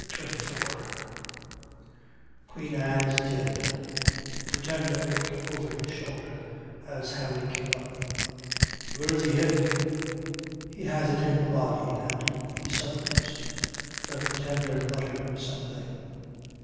CHAPTER XXIV QUEEN ANNE IS DEAD The Pretender looked over his shoulder as Harry came up. "Where is he hit?" "He has it in the body and he suffers." The Pretender muttered something.